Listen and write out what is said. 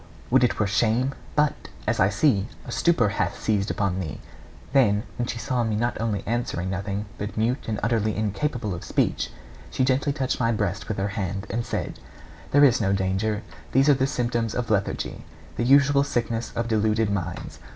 Would it were shame; but, as I see, a stupor hath seized upon thee.' Then, when she saw me not only answering nothing, but mute and utterly incapable of speech, she gently touched my breast with her hand, and said: 'There is no danger; these are the symptoms of lethargy, the usual sickness of deluded minds.